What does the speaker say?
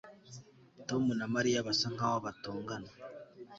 Tom na Mariya basa nkaho batongana